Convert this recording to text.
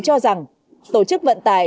cho rằng tổ chức vận tải